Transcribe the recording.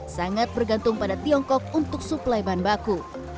sangat bergantung pada tiongkok untuk suplai bahan baku